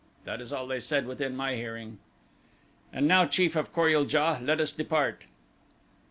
That is all they said within my hearing. "And now, chief of Kor ul JA, let us depart."